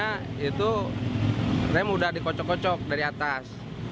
di situ rem sudah dikocok kocok dari atas